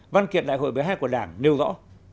văn kiện đại hội b hai của đảng nêu rõ